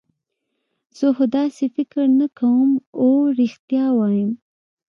زه خو داسې فکر نه کوم، اوه رښتیا وایم.